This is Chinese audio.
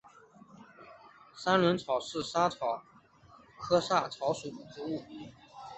三轮草是莎草科莎草属的植物。